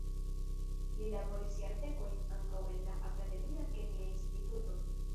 Li laboris jardekojn ankaŭ en la akademia kemia instituto.